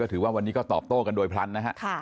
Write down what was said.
ถือว่าวันนี้ก็ตอบโต้กันโดยพลันนะฮะ